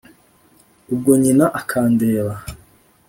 ubwo nyina akandeba